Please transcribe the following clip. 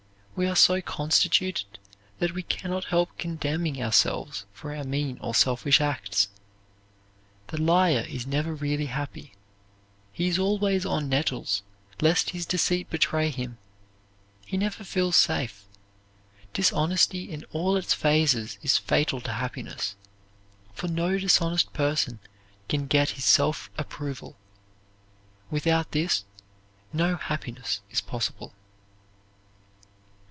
We are so constituted that we can not help condemning ourselves for our mean or selfish acts. The liar is never really happy. He is always on nettles lest his deceit betray him. He never feels safe. Dishonesty in all its phases is fatal to happiness, for no dishonest person can get his self approval. Without this no happiness is possible.